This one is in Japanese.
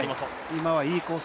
今はいいコース